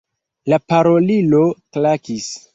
La parolilo klakis.